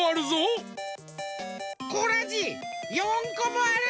コラジ４こもある。